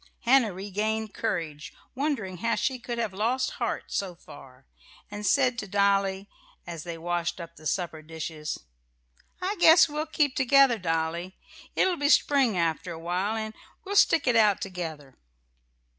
Hannah regained courage, wondering how she could have lost heart so far, and said to Dolly, as they washed up the supper dishes: "I guess we'll keep together, Dolly. It'll be spring after a while, and we'll stick it out together."